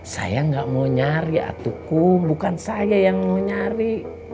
saya nggak mau nyari atuku bukan saya yang mau nyari